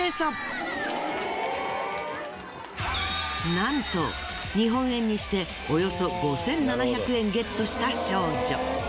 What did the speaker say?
なんと日本円にしておよそ５，７００円ＧＥＴした少女。